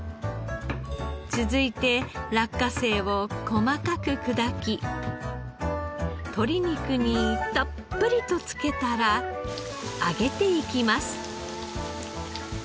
続いて落花生を細かく砕き鶏肉にたっぷりとつけたら揚げていきます。